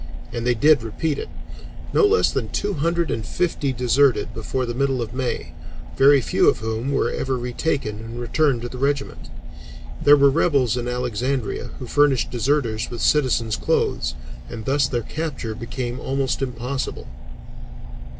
And they did repeat it. No less than two hundred and fifty deserted before the middle of May, very few of whom were ever retaken and returned to the regiment. There were rebels in Alexandria who furnished deserters with citizens' clothes and thus their capture became almost impossible."